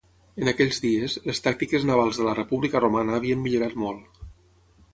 En aquells dies, les tàctiques navals de la República romana havien millorat molt.